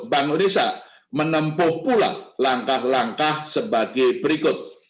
bank indonesia menempuh pula langkah langkah sebagai berikut